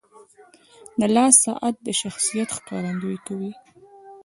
• د لاس ساعت د شخصیت ښکارندویي کوي.